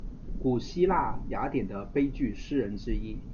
古希腊雅典的悲剧诗人之一。